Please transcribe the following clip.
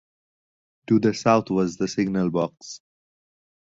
To the south was the signal box.